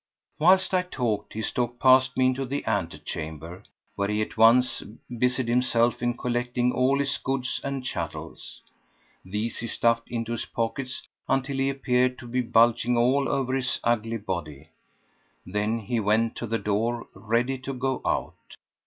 Whilst I talked he stalked past me into the ante chamber, where he at once busied himself in collecting all his goods and chattels. These he stuffed into his pockets until he appeared to be bulging all over his ugly body; then he went to the door ready to go out.